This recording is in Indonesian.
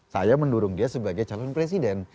saya mendorong dia sebagai calon presiden